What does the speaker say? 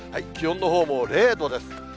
気温のほうも０度です。